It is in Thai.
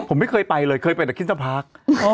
ผมไม่เคยไปเลยเคยไปแต่คริสต์ฟัค